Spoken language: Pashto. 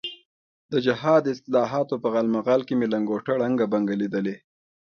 د جهاد اصطلاحاتو په غالمغال کې مې لنګوټه ړنګه بنګه لیدلې.